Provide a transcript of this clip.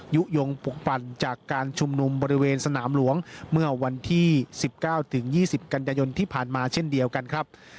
ยุโยงปกปั่นจากการชุมนุมบริเวณสนามหลวงเมื่อวันที่สิบเก้าถึงยี่สิบกัญญายนที่ผ่านมาเช่นเดียวกันครับ